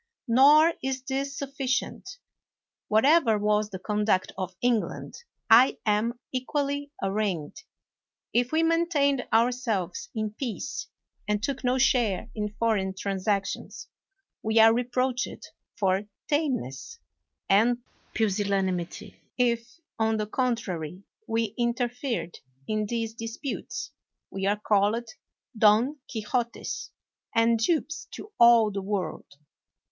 Nor is this sufficient. Whatever was the conduct of England, I am equally arraigned. If we maintained ourselves in peace, and took no share in foreign transactions, we are reproached for tameness and pusillanimity. If, on the contrary, we interfered in these disputes, we are called Don Quixotes, and dupes to all the world.